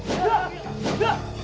ada apa sih mam